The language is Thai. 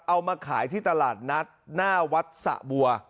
เอามาขายที่ตลาดนัดหน้าวัดสะบัว